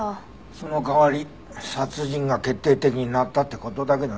その代わり殺人が決定的になったって事だけどね。